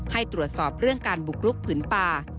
ให้ตรวจสอบเรื่องการบุกรุกผืนป่า